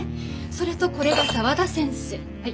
それとこれが沢田先生はい。